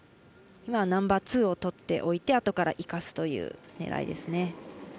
ナンバーツーを取っておいてあとから生かすという狙いですね。